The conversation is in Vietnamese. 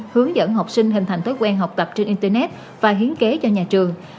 hướng dẫn học sinh hình thành thói quen học tập trên internet và hiến kế cho nhà trường